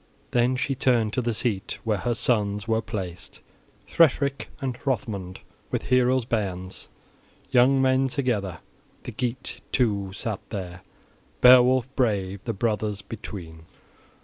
Then she turned to the seat where her sons wereplaced, Hrethric and Hrothmund, with heroes' bairns, young men together: the Geat, too, sat there, Beowulf brave, the brothers between.